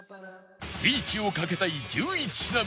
リーチをかけたい１１品目